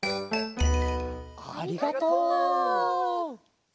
ありがとう！